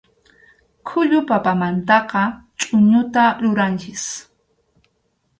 Khullu papamantaqa chʼuñuta ruranchik.